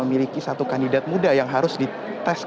mereka akan menggunakan dukungan dari sektor sektor profesional